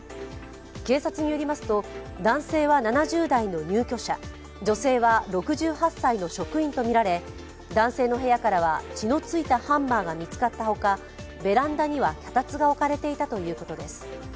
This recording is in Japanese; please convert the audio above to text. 警察によりますと、男性は７０代の入居者、女性は６８歳の職員とみられ男性の部屋からは血のついたハンマーが見つかったほかベランダには脚立が置かれていたということです。